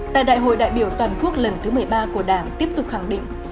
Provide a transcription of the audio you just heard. tại đại hội đại biểu toàn quốc lần thứ một mươi ba của đảng tiếp tục khẳng định